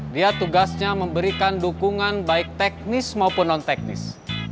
dia tugasnya memberikan dukungan baik teknis maupun non teknis